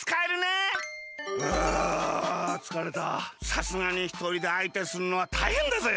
さすがにひとりであいてするのはたいへんだぜ。